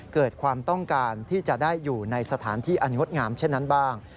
เกิดความต้องการที่จะได้อยู่ในสถานที่อันงดงามเช่นนั้นบ้าง